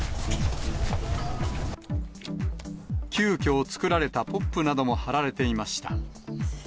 急きょ、作られたポップなども貼られていました。